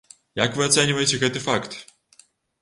Як вы ацэньваеце гэты факт?